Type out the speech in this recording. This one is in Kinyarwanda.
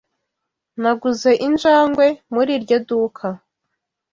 Naguze injangwe muri iryo duka.